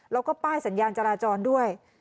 แล้วก็ป้ายสัญญาณจราจรด้วย